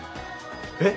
・えっ？